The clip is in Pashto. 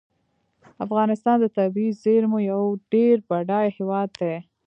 افغانستان د طبیعي زیرمو یو ډیر بډایه هیواد دی.